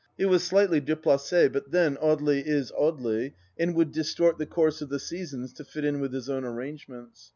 It was slightly dSplaci, but then, Audely is Audely, and would distort the course of the seasons to fit in with his own arrangements.